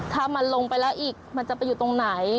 ถ้ามันลงไปแล้วอีกมันจะไปอยู่ตรงไหน